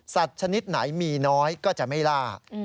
ชนิดไหนมีน้อยก็จะไม่ล่า